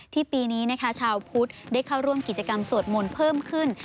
ปีนี้นะคะชาวพุทธได้เข้าร่วมกิจกรรมสวดมนต์เพิ่มขึ้น